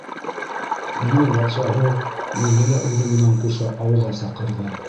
Уның батшаһы мине лә үҙе менән ҡуша ауға саҡырҙы.